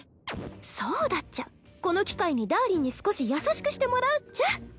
そうだっちゃこの機会にダーリンに少し優しくしてもらうっちゃ